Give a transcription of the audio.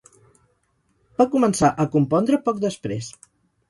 Va començar a compondre poc després.